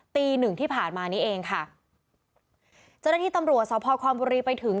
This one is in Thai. ตีหนึ่งที่ผ่านมานี้เองค่ะเจ้าหน้าที่ตำรวจสพคอนบุรีไปถึง